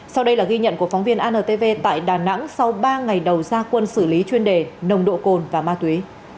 sau đây là ghi nhận của phóng viên antv tại đà nẵng sau ba ngày đầu gia quân xử lý chuyên đề nồng độ cồn và ma túy